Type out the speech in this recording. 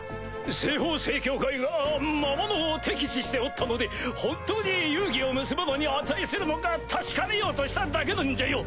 西方聖教会が魔物を敵視しておったので本当に友誼を結ぶのに値するのか確かめようとしただけなんじゃよ！